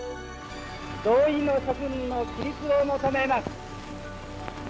同意の諸君の起立を求めます。